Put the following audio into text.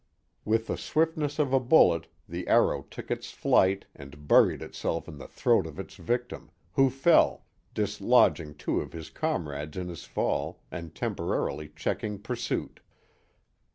With the swiftness of a bullet the arrow took its flight and buried itself in the throat of its victim, who fell, dislodg ing two of his comrades in his fall, and temporarily checking pursuit.